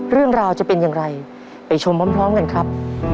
เรื่องราวจะเป็นอย่างไรไปชมพร้อมกันครับ